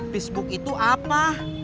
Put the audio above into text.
facebook itu apa